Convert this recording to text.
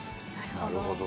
なるほど。